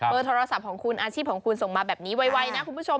โทรศัพท์ของคุณอาชีพของคุณส่งมาแบบนี้ไวนะคุณผู้ชม